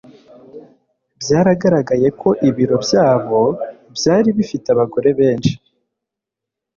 Byaragaragaye ko ibiro byabo byari bifite abagore benshi.